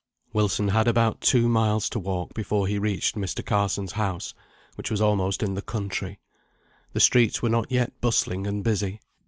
Wilson had about two miles to walk before he reached Mr. Carson's house, which was almost in the country. The streets were not yet bustling and busy.